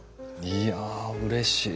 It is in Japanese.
いやうれしい。